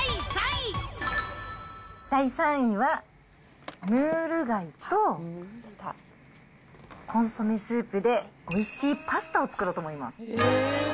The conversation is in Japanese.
第３位は、ムール貝とコンソメスープで、おいしいパスタを作ろうと思います。